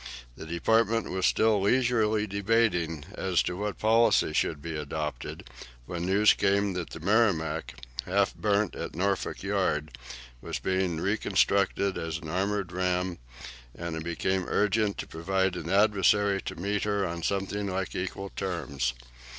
The Department was still leisurely debating as to what policy should be adopted, when news came that the "Merrimac," half burnt at Norfolk Yard, was being reconstructed as an armoured ram, and it became urgent to provide an adversary to meet her on something like equal terms.